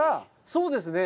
そうですね。